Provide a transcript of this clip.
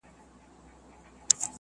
مور یې کړله په یوه ګړي پر بوره ..